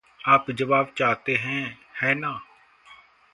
आप जवाब चाहते हैं, है ना?